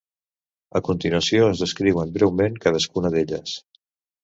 A continuació es descriuen breument cadascuna d'elles.